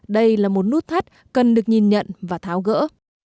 đây là một nút thắt cần được nhìn nhận và tham khảo